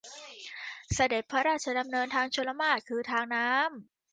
เสด็จพระราชดำเนินทางชลมารค คือทางน้ำ